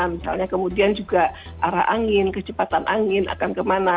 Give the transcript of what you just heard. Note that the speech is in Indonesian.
misalnya kemudian juga arah angin kecepatan angin akan kemana